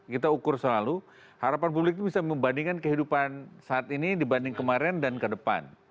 kita ukur selalu harapan publik itu bisa membandingkan kehidupan saat ini dibanding kemarin dan ke depan